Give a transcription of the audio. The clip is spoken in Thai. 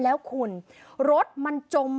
แล้วคุณรถมันจม